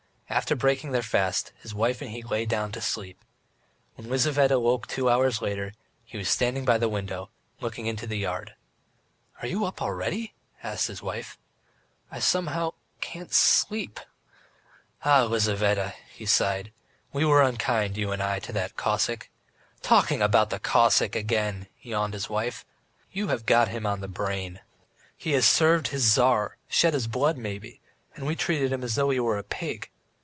After breaking their fast, his wife and he lay down to sleep. When Lizaveta woke two hours later, he was standing by the window, looking into the yard. "Are you up already?" asked his wife. "I somehow can't sleep. ... Ah, Lizaveta," he sighed. "We were unkind, you and I, to that Cossack!" "Talking about that Cossack again!" yawned his wife. "You have got him on the brain." "He has served his Tsar, shed his blood maybe, and we treated him as though he were a pig.